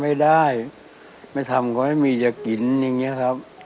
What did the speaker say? ไม่ได้ไม่ทำก็ไม่มีจะกินอย่างนี้ครับ